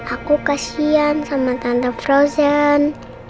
aku kasihan sama tante frozen